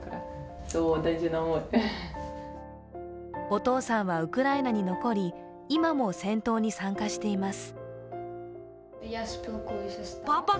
お父さんはウクライナに残り今も戦闘に参加しています。